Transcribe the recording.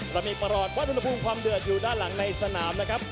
เรามีประหลอดวัดอุณหภูมิความเดือดอยู่ด้านหลังในสนามนะครับ